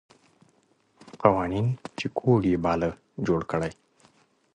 قوانین چې کوډ یې باله جوړ کړي.